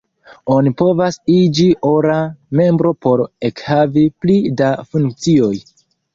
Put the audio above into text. Oni povas iĝi ora membro por ekhavi pli da funkcioj.